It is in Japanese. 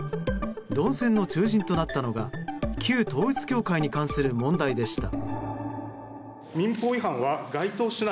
論戦の中心となったのが旧統一教会に関する問題でした。